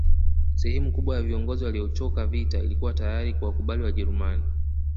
Sehemu kubwa ya viongozi waliochoka vita ilikuwa tayari kuwakubali Wajerumani